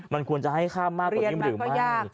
มันควรจะให้ค่ามากตรงนี้มันหรือไม่